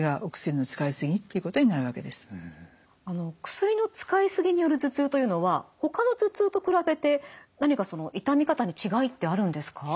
薬の使いすぎによる頭痛というのはほかの頭痛と比べて何かその痛み方に違いってあるんですか？